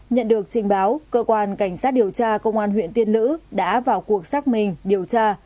nhận được trình báo cơ quan cảnh sát điều tra công an huyện tiên lữ đã vào cuộc xác minh điều tra